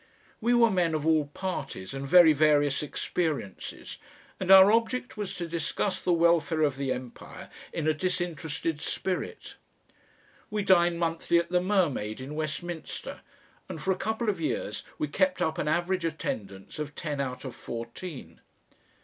We were men of all parties and very various experiences, and our object was to discuss the welfare of the Empire in a disinterested spirit. We dined monthly at the Mermaid in Westminster, and for a couple of years we kept up an average attendance of ten out of fourteen.